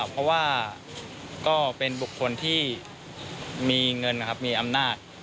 เพราะว่าก็เป็นบุคคลที่มีเงินนะครับมีอำนาจ